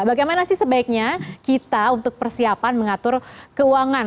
bagaimana sih sebaiknya kita untuk persiapan mengatur keuangan